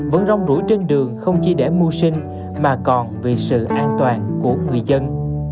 vẫn rong rủi trên đường không chỉ để mưu sinh mà còn vì sự an toàn của người dân